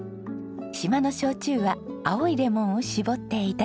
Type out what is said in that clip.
島の焼酎は青いレモンを搾って頂きましょう。